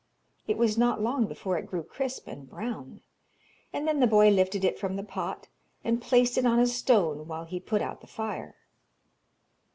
It was not long before it grew crisp and brown, and then the boy lifted it from the pot and placed it on a stone, while he put out the fire.